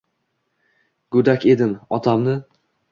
Go’dak edim, otamni